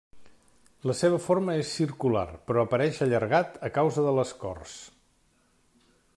La seva forma és circular, però apareix allargat a causa de l'escorç.